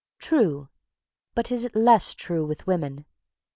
True but is it less true with women?